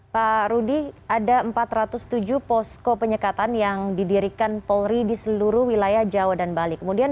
pak rudi ada empat ratus tujuh posko penyekatan yang diperlukan untuk penurunan kasus harian di dalam tahun ini